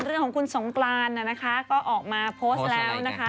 เรื่องของคุณสงกรานนะคะก็ออกมาโพสต์แล้วนะคะ